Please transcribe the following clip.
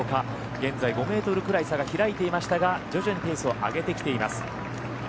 現在５ｍぐらい差が開いていましたが徐々にペースを上げてきています。